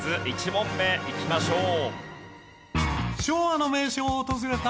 １問目いきましょう。